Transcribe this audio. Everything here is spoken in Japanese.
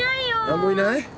何もいない？